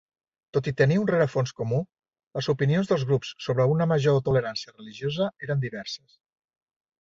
Tot i tenir un rerefons comú, les opinions dels grups sobre una major tolerància religiosa eren diverses.